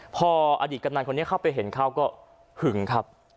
พออดีตกำนันคนนี้เข้าไปเห็นเขาก็หึงครับ